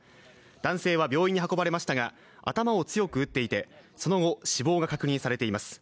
男性は病院に運ばれましたが頭を強く打っていてその後、死亡が確認されています。